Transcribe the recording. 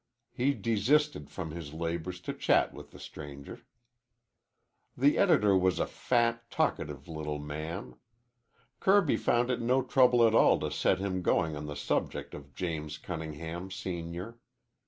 He desisted from his labors to chat with the stranger. The editor was a fat, talkative little man. Kirby found it no trouble at all to set him going on the subject of James Cunningham, Senior.